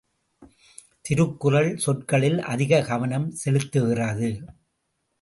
திருக்குறள், சொற்களில் அதிகக் கவனம் செலுத்துகிறது.